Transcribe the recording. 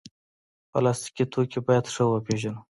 پلاستيکي توکي باید ښه وپیژنو.